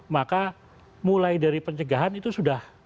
maka mulai dari pencegahan itu sudah